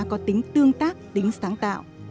có tính tương tác tính sáng tạo